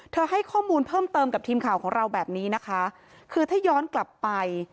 ให้ข้อมูลเพิ่มเติมกับทีมข่าวของเราแบบนี้นะคะคือถ้าย้อนกลับไป